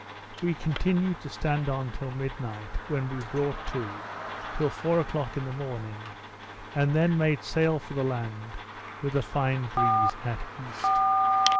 We continued to stand on till midnight, when we brought to, till four o'clock in the morning, and then made sail in for the land with a fine breeze at east.